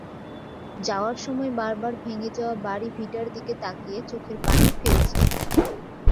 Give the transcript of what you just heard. যাওয়ার সময় বারবার ভেঙে যাওয়া বাড়ি-ভিটার দিকে তাকিয়ে চোখের পানি ফেলছেন।